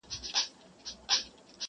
کتابونه یې په څنګ کي وه نیولي٫